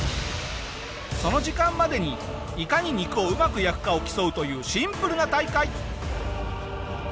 その時間までにいかに肉をうまく焼くかを競うというシンプルな大会。